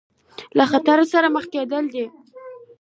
له خطر سره مخ کېدل دي.